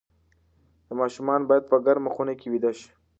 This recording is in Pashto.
ماشومان باید په ګرمه خونه کې ویده شي.